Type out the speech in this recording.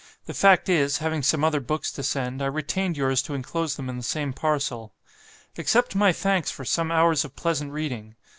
The fact is, having some other books to send, I retained yours to enclose them in the same parcel. "Accept my thanks for some hours of pleasant reading.